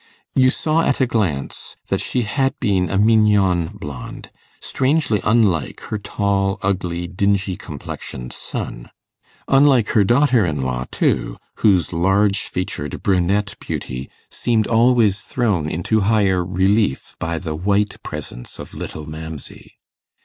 You saw at a glance that she had been a mignonne blonde, strangely unlike her tall, ugly, dingy complexioned son; unlike her daughter in law, too, whose large featured brunette beauty seemed always thrown into higher relief by the white presence of little Mamsey.